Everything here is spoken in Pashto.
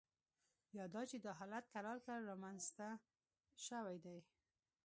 یا دا چې دا حالت کرار کرار رامینځته شوی دی